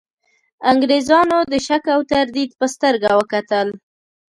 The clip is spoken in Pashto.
انګرېزانو د شک او تردید په سترګه وکتل.